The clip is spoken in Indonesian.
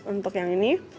untuk yang ini